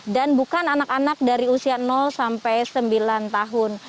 dan bukan anak anak dari usia sampai sembilan tahun